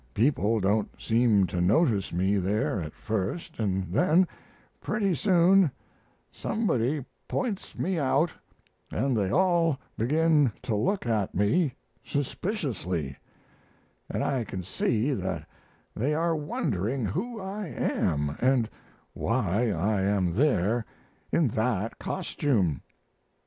People don't seem to notice me there at first, and then pretty soon somebody points me out, and they all begin to look at me suspiciously, and I can see that they are wondering who I am and why I am there in that costume.